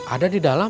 ada di dalam